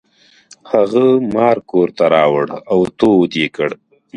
هغه مار کور ته راوړ او تود یې کړ.